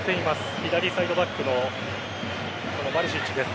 左サイドバックのバリシッチです。